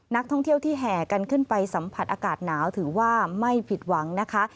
นักท่องเที่ยวที่แห่กันขึ้นไปสัมผัสอากาศหนาวถือว่าไม่ผิดหวังนะคะ